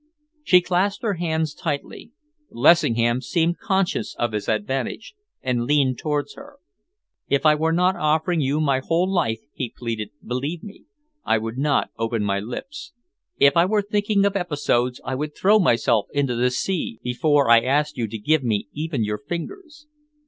She clasped her hands tightly. Lessingham seemed conscious of his advantage, and leaned towards her. "If I were not offering you my whole life," he pleaded, "believe me, I would not open my lips. If I were thinking of episodes, I would throw myself into the sea before I asked you to give me even your fingers.